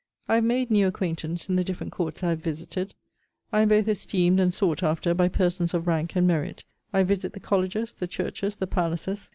I have made new acquaintance in the different courts I have visited. I am both esteemed and sought after, by persons of rank and merit. I visit the colleges, the churches, the palaces.